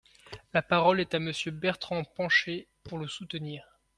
La parole est à Monsieur Bertrand Pancher, pour le soutenir.